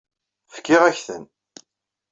Fkiɣ-ak-ten.